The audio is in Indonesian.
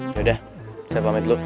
ya udah saya pamit dulu